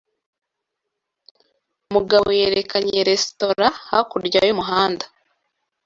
Mugabo yerekanye resitora hakurya y'umuhanda.